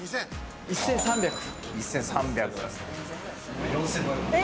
１３００。